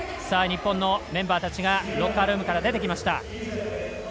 日本のメンバーたちがロッカールームから出てきました。